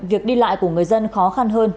việc đi lại của người dân khó khăn hơn